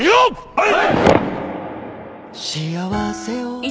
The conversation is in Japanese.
はい！